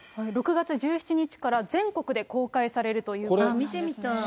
６月１７日から全国で公開されるということなんですね。